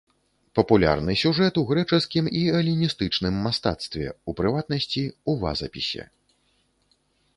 Папулярны сюжэт у грэчаскім і эліністычным мастацтве, у прыватнасці, у вазапісе.